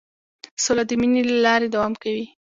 سوله د مینې له لارې دوام کوي.